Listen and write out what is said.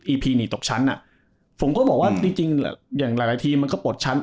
พีหนีตกชั้นอ่ะผมก็บอกว่าจริงจริงอย่างหลายหลายทีมมันก็ปวดชั้น